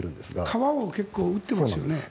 川を結構撃っていますよね。